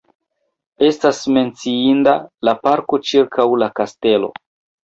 Estas menciinda la parko ĉirkaŭ la kastelo.